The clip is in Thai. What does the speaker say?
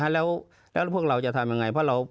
แล้วพวกเราจะทำยังไงเพราะเรา